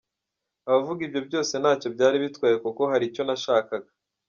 Abavuga ibyo byose ntacyo byari bitwaye kuko hari icyo nashakaga.